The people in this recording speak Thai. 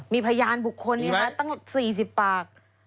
มีพยานบุคคลเนี่ยครับตั้ง๔๐ปาก